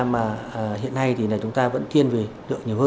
mà hiện nay thì chúng ta vẫn tiên về lượng nhiều hơn